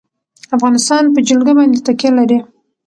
افغانستان په جلګه باندې تکیه لري.